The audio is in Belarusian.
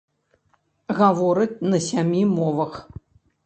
Гаворыць на сямі мовах.